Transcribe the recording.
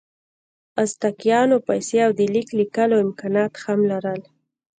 ازتکیانو پیسې او د لیک لیکلو امکانات هم لرل.